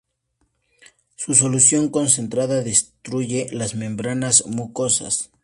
Su solución concentrada destruye las membranas mucosas.